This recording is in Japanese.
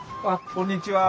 こんにちは。